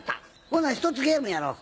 ほな一つゲームやろう。